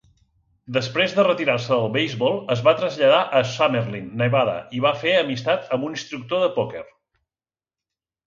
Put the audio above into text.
Després de retirar-se del beisbol, es va traslladar a Summerlin, Nevada, i va fer amistat amb un instructor de pòquer.